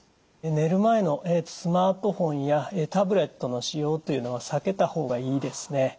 寝る前のスマートフォンやタブレットの使用というのは避けた方がいいですね。